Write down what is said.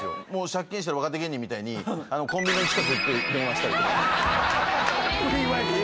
借金してる若手芸人みたいにコンビニの近く行って電話したりとかフリーＷｉ−Ｆｉ？